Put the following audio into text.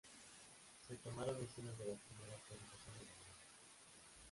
Se tomaron escenas de las primeras presentaciones de la banda.